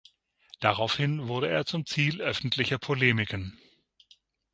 Daraufhin wurde er zum Ziel öffentlicher Polemiken.